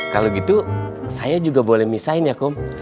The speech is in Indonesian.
kalau gitu saya juga boleh misahin ya kom